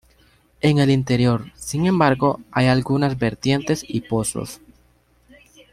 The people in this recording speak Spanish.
En el interior, sin embargo, hay algunas vertientes y pozos.